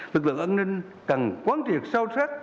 lực lượng an ninh cần quán thiệt sâu sắc